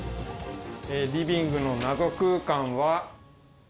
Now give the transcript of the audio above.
リビングの謎空間は。